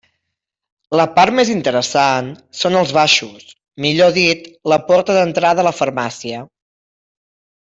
La part més interessant són els baixos, millor dit la porta d'entrada a la farmàcia.